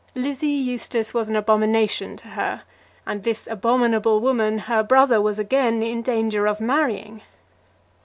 Lizzie Eustace was an abomination to her, and this abominable woman her brother was again in danger of marrying!